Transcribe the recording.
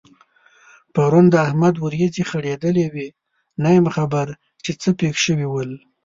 پرون د احمد وريځې ځړېدلې وې؛ نه یم خبر چې څه پېښ شوي ول؟